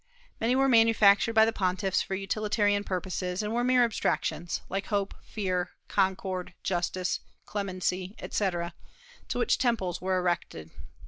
Many were manufactured by the pontiffs for utilitarian purposes, and were mere abstractions, like Hope, Fear, Concord, Justice, Clemency, etc., to which temples were erected.